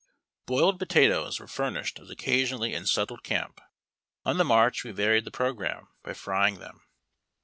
Boiled potatoes were furnished us occasionally in settled camp. On the marcli we varied the programme bv frying them.